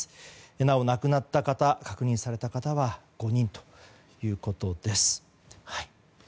なお亡くなった方確認された方は５人ということです。